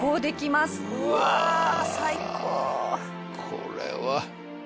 これは。